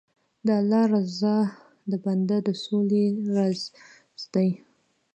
د الله رضا د بنده د سولې راز دی.